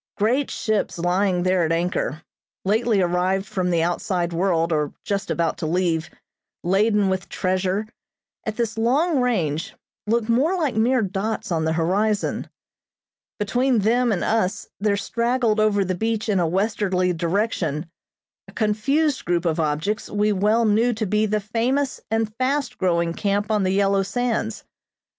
Great ships lying there at anchor, lately arrived from the outside world or just about to leave, laden with treasure, at this long range looked like mere dots on the horizon. Between them and us there straggled over the beach in a westerly direction, a confused group of objects we well knew to be the famous and fast growing camp on the yellow sands.